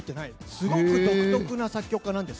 すごく独特な作曲家なんです。